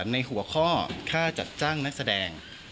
ในหัวข้อค่าจัดจ้างนักแสดง